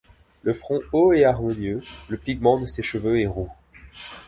Le front haut et harmonieux, le pigment de ses cheveux est roux.